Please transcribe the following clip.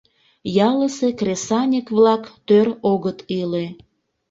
Ялысе кресаньык-влак тӧр огыт иле.